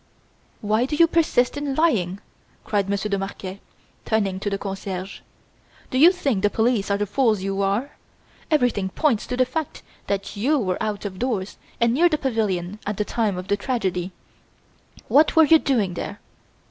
"Why do you persist in lying?" cried Monsieur de Marquet, turning to the concierges. "Do you think the police are the fools you are? Everything points to the fact that you were out of doors and near the pavilion at the time of the tragedy. What were you doing there?